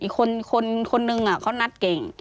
อีกคนนึงเขานัดเก่ง